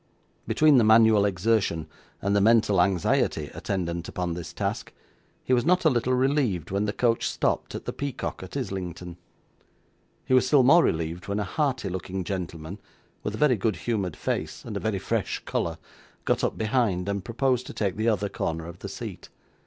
Between the manual exertion and the mental anxiety attendant upon this task, he was not a little relieved when the coach stopped at the Peacock at Islington. He was still more relieved when a hearty looking gentleman, with a very good humoured face, and a very fresh colour, got up behind, and proposed to take the other corner of the seat.